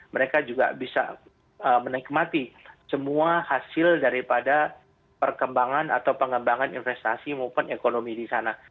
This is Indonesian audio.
mereka juga bisa menikmati semua hasil daripada perkembangan atau pengembangan investasi maupun ekonomi di sana